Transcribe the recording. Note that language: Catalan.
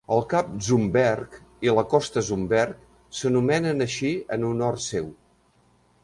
El cap Zumberge i la costa Zumberge s'anomenen així en honor seu.